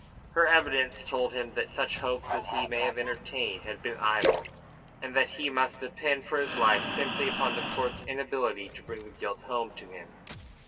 Her evidence told him that such hopes as he may have entertained had been idle, and that he must depend for his life simply upon the court's inability to bring the guilt home to him.